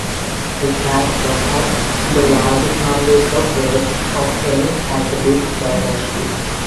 It has perhaps the largest numbers of rebbes of any Hasidic dynasty.